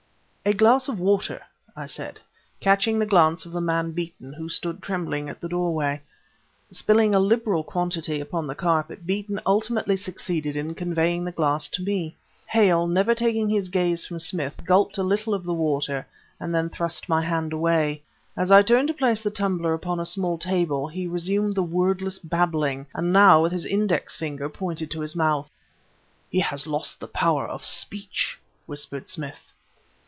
"A glass of water," I said, catching the glance of the man Beeton, who stood trembling at the open doorway. Spilling a liberal quantity upon the carpet, Beeton ultimately succeeded in conveying the glass to me. Hale, never taking his gaze from Smith, gulped a little of the water and then thrust my hand away. As I turned to place the tumbler upon a small table the resumed the wordless babbling, and now, with his index finger, pointed to his mouth. "He has lost the power of speech!" whispered Smith.